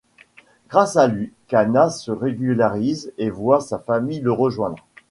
Grâce à lui, Cana se régularise et voit sa famille le rejoindre.